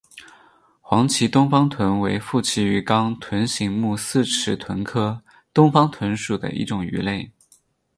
黄鳍东方鲀为辐鳍鱼纲豚形目四齿鲀科东方鲀属的一种鱼类。